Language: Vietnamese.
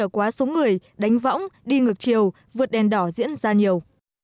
quá số người đánh võng đi ngược chiều vượt đèn đỏ diễn ra nhiều